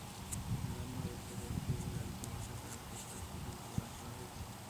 গ্রানমার ওয়েবসাইটে একটি গাড়িতে বসা কাস্ত্রোর চারটি ছবি প্রকাশ করা হয়েছে।